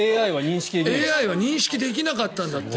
ＡＩは認識できなかったんだって。